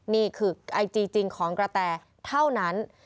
นี่คือไอจีจริงของกระแตเท่านั้น